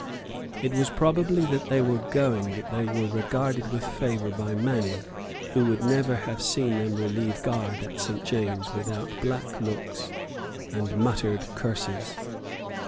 It was probably because they were going that they were regarded with favour by many who would never have seen them relieve guard at St. James's without black looks and muttered curses.